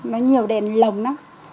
nó nhiều đèn lồng đó